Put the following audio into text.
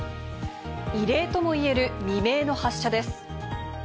異例とも言える未明の発射です。